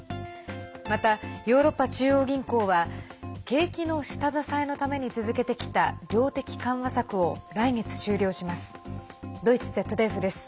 また、ヨーロッパ中央銀行は景気の下支えのために続けてきた量的緩和策を来月、終了します。